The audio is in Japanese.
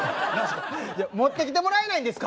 いや持ってきてもらえないんですか？